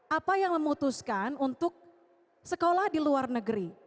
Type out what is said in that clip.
apa yang memutuskan untuk sekolah di luar negeri